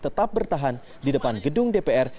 tetap bertahan di depan gedung dpr